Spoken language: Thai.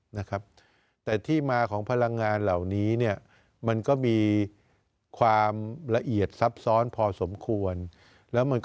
นะครับแต่ที่มาของพลังงานเหล่านี้เนี่ยมันก็มีความละเอียดซับซ้อนพอสมควรแล้วมันก็